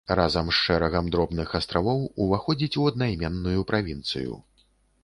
Разам з шэрагам дробных астравоў уваходзіць у аднаіменную правінцыю.